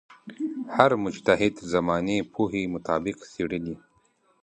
هر مجتهد زمانې پوهې مطابق څېړلې.